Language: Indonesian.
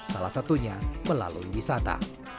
salah satunya melalui wisata